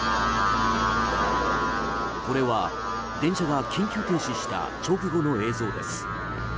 これは電車が緊急停止した直後の映像です。